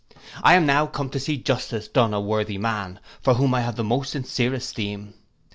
I am now come to see justice done a worthy man, for whom I have the most sincere esteem.